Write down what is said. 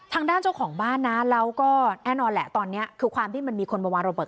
ทางด้านเจ้าของบ้านนะแล้วก็แน่นอนแหละตอนนี้คือความที่มันมีคนมาวางระเบิ